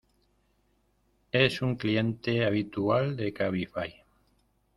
Es un cliente habitual de Cabify.